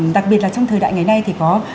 đặc biệt là trong thời đại ngày nay thì có